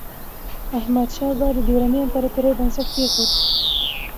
احمدشاه بابا د دراني امپراتورۍ بنسټ کېښود.